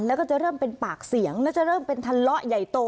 แล้วก็จะเริ่มเป็นปากเสียงแล้วจะเริ่มเป็นทะเลาะใหญ่โต